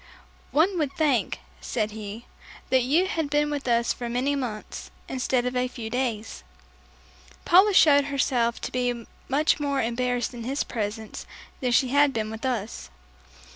"One would think," said he, "that you had been with us for many months instead of a few days." Paula showed herself to be much more embarrassed in his presence than she had been with us.